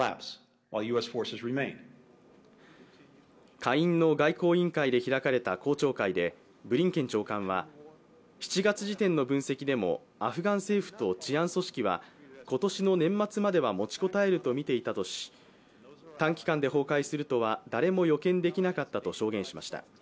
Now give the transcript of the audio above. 下院の外交委員会で開かれた公聴会でブリンケン長官は、７月時点の分析でもアフガン政府と治安組織は今年の年末までは持ちこたえると見ていたとし、短期間で崩壊するとは誰も予見できなかったと証言しました。